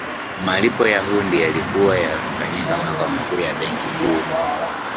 malipo ya hundi yalikuwa yakifanyika makao makuu ya benki kuu